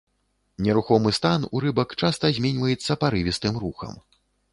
Нерухомы стан у рыбак часта зменьваецца парывістым рухам.